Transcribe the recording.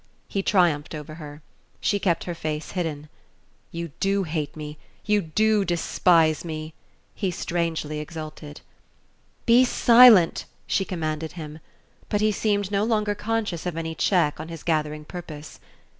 he triumphed over her. She kept her face hidden. "You do hate me, you do despise me!" he strangely exulted. "Be silent!" she commanded him; but he seemed no longer conscious of any check on his gathering purpose.